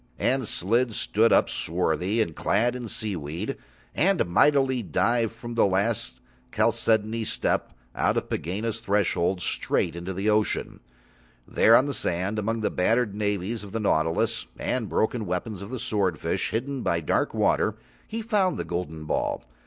And Slid stood up, swarthy, and clad in seaweed, and mightily dived from the last chalcedony step out of Pegāna's threshold straight into ocean. There on the sand, among the battered navies of the nautilus and broken weapons of the swordfish, hidden by dark water, he found the golden ball.